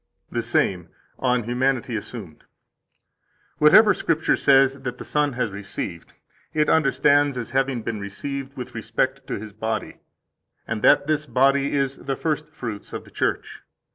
76 The same, On Humanity Assumed (p. 603, ed. Colon.): "Whatever Scripture says that the Son has received, it understands as having been received with respect to His body, and that this body is the first fruits of the Church.